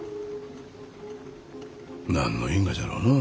何の因果じゃろうのう。